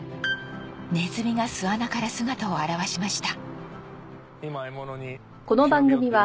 ネズミが巣穴から姿を現しました